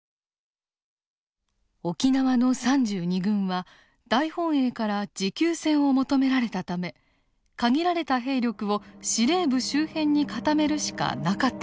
沖縄の３２軍は大本営から持久戦を求められたため限られた兵力を司令部周辺に固めるしかなかったのです。